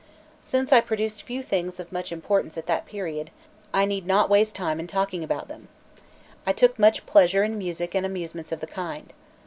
Since I produced few things of much importance at that period, I need not waste time in talking about them. I took much pleasure in music and amusements of the kind.